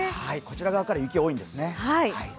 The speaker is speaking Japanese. こちら側からは雪が多いんですね。